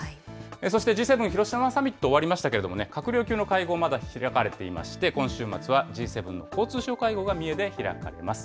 そしてＧ７広島サミット終わりましたけれどもね、閣僚級の会合、まだ開かれていまして、今週末はＧ７の交通相会合が三重で開かれます。